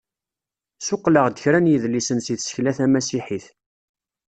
Suqleɣ-d kra n yidlisen si tsekla tamasiḥit.